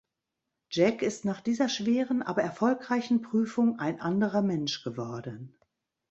Jack ist nach dieser schweren, aber erfolgreichen Prüfung ein anderer Mensch geworden.